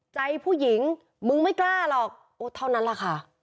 ใจผู้หญิงมึงไม่กล้าหรอกโอ้เท่านั้นแหละค่ะ